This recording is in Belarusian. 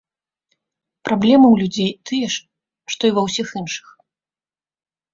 Праблемы ў людзей тыя ж, што і ва ўсіх іншых.